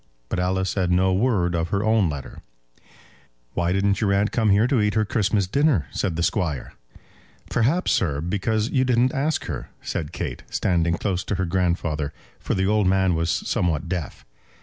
But Alice said no word of her own letter. "Why didn't your aunt come here to eat her Christmas dinner?" said the Squire. "Perhaps, sir, because you didn't ask her," said Kate, standing close to her grandfather, for the old man was somewhat deaf.